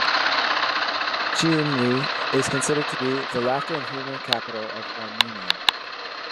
Gyumri is considered to be the "laughter and humor capital" of Armenia.